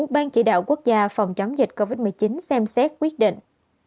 ban chỉ đạo quốc gia phòng chống dịch covid một mươi chín xem xét quyết định